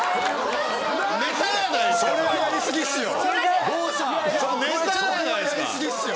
それはやり過ぎっすよ！